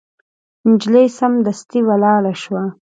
نجلۍ سمدستي ولاړه شوه.